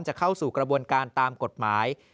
เข้าสู่กระบวนการตามกฎหมาย